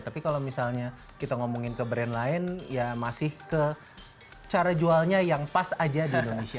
tapi kalau misalnya kita ngomongin ke brand lain ya masih ke cara jualnya yang pas aja di indonesia